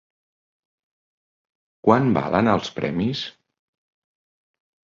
Quant valen els premis?